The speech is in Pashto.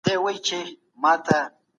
دا دوه ګيلاسه اوبه دي.